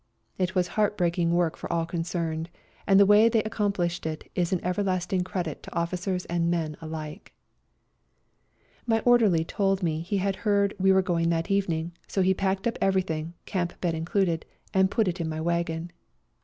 It was heartbreaking work for all concerned, and the way they accom plished it is an everlasting credit to officers and men alike. My orderly told me he had heard we were going that evening, so he packed up every thing, camp bed included, and put it in my wagon.